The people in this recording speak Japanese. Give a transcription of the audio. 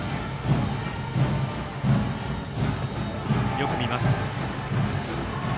よく見ます。